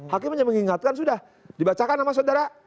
hakim aja mengingatkan sudah dibacakan nama saudara